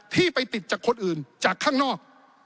ที่ไปติดจากคนอื่นจากข้างนอก